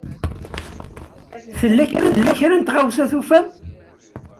Tella kra n tɣawsa i tufam?